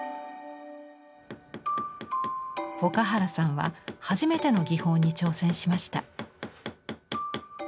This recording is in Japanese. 岡原さんは初めての技法に挑戦しました。